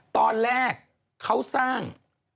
ตอนแรกเขาสร้าง